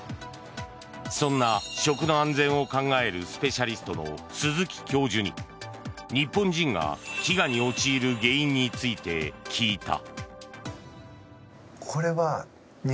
そんな食の安全を考えるスペシャリストの鈴木教授に日本人が飢餓に陥る原因について聞いた。